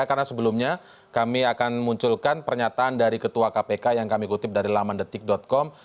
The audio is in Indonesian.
karena sebelumnya kami akan munculkan pernyataan dari ketua kpk yang kami kutip dari lamandetik com